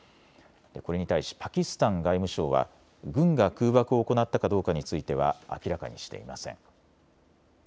これに対しパキスタン外務省は軍が空爆を行ったかどうかについては明らかにしていません。